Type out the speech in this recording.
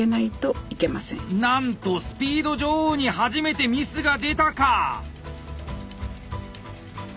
なんと「スピード女王」に初めてミスが出たか！